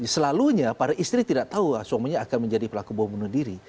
selalunya para istri tidak tahu suaminya akan menjadi pelaku bom bunuh diri